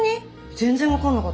全然分かんなかった。